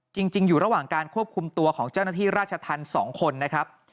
จริงอยู่ระหว่างการควบคุมตัวของเจ้าหน้าที่ราชธรรม๒คนนะครับ